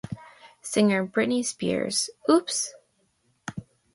Singer Britney Spears's Oops!...